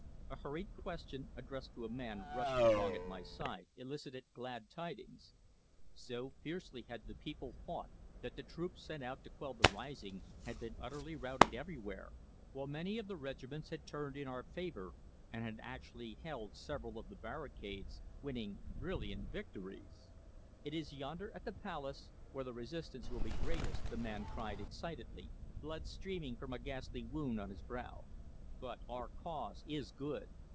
A hurried question, addressed to a man rushing along at my side, elicited glad tidings. So fiercely had the people fought that the troops sent out to quell the rising had been utterly routed everywhere, while many of the regiments had turned in our favour and had actually held several of the barricades, winning brilliant victories. "It is yonder, at the palace, where the resistance will be greatest," the man cried excitedly, blood streaming from a ghastly wound on his brow. "But our cause is good.